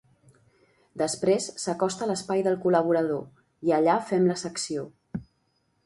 Després s'acosta a l'espai del col·laborador i allà fem la secció.